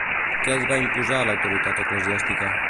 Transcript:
Què els va imposar l'autoritat eclesiàstica?